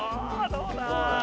どうだ？